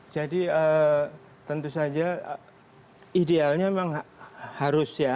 jadi tentu saja idealnya memang harus ya